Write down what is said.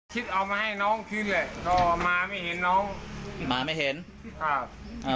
คิดเอามาให้น้องคืนเลยก็มาไม่เห็นน้องมาไม่เห็นครับอ่า